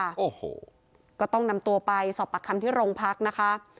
โอ้โหก็ต้องนำตัวไปสอบปากคำที่โรงพักนะคะ